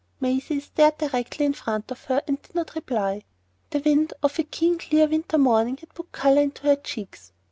Maisie stared directly in front of her and did not reply. The wind of a keen clear winter morning had put colour into her cheeks.